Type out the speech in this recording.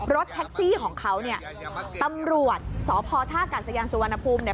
รถแท็กซี่ของเขาตำรวจสภศสวนภูมิ